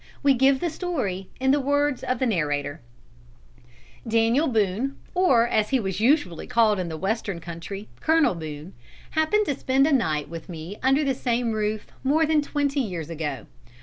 We give the story in the words of the narrator: "Daniel Boone, or as he was usually called in the Western country, Colonel Boone, happened to spend a night with me under the same roof, more than twenty years ago.